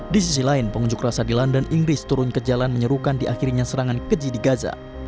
di sisi lain pengunjuk rasa di london inggris turun ke jalan menyerukan di akhirnya serangan keji di gaza